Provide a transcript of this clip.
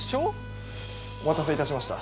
お待たせいたしました。